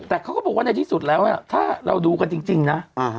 แต่เขาก็บอกว่าในที่สุดแล้วถ้าเราดูกันจริงนะ